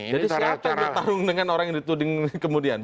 jadi siapa yang bertarung dengan orang yang dituding kemudian